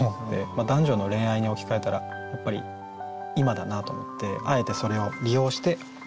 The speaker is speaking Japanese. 男女の恋愛に置き換えたらやっぱり「今」だなと思ってあえてそれを利用して書いた歌詞なんですよね。